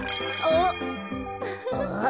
あっ。